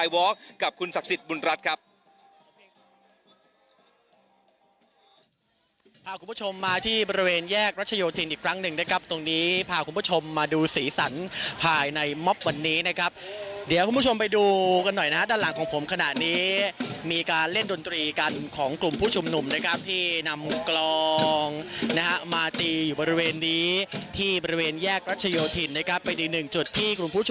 คุณผู้ชมมาที่บริเวณแยกรัชโยธินอีกครั้งหนึ่งนะครับตรงนี้พาคุณผู้ชมมาดูสีสันภายในม็อบวันนี้นะครับเดี๋ยวคุณผู้ชมไปดูกันหน่อยนะฮะด้านหลังของผมขณะนี้มีการเล่นดนตรีกันของกลุ่มผู้ชุมนุมนะครับที่นำกลองนะฮะมาตีอยู่บริเวณนี้ที่บริเวณแยกรัชโยธินนะครับไปดู